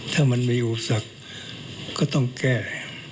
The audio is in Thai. ถ้ามันมีอุปสรรคก็ต้องแก้